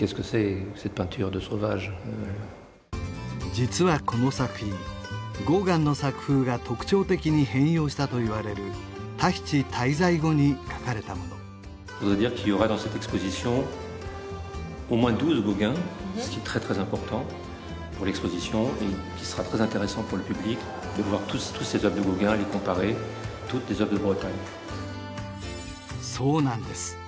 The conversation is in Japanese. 実はこの作品ゴーガンの作風が特徴的に変容したといわれるタヒチ滞在後に描かれたものそうなんです